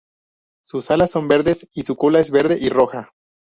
Sus alas son verdes, y su cola es verde y roja.